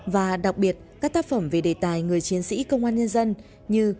và đặc biệt các tác phẩm về đề tài người chiến sĩ công an nhân dân như